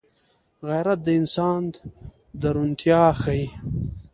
غیرت د انسان درونتيا ښيي